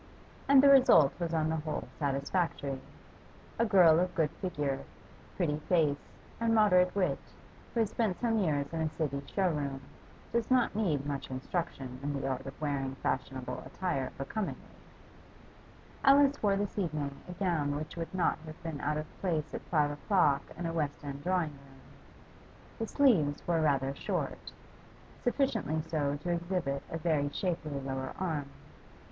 And the result was on the whole satisfactory. A girl of good figure, pretty face, and moderate wit, who has spent some years in a City showroom, does not need much instruction in the art of wearing fashionable attire becomingly. Alice wore this evening a gown which would not have been out of place at five o'clock in a West end drawing room; the sleeves were rather short, sufficiently so to exhibit a very shapely lower arm.